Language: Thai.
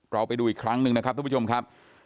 เราไปดูอีกครั้งหนึ่งทุกผู้ชมครับ